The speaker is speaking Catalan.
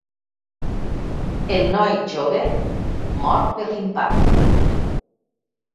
El noi jove mor per l'impacte.